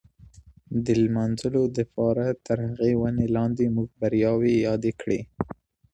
د لمانځلو دپاره تر دغي وني لاندي موږ بریاوې یادې کړې.